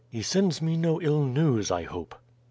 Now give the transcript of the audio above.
"He sends me no ill news, I hope?"